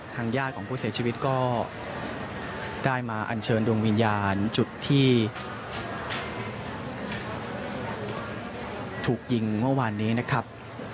ญาติของผู้เสียชีวิตก็ได้มาอัญเชิญดวงวิญญาณจุดที่ถูกยิงเมื่อวานนี้นะครับ